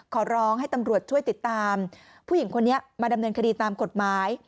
ขอร้องให้ตำรวจช่วยติดตามผู้หญิงคนนี้มาดำเนินคดีตามกฎหมาย